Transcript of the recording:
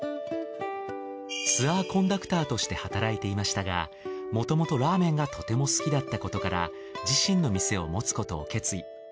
ツアーコンダクターとして働いていましたがもともとラーメンがとても好きだったことから自身の店を持つことを決意。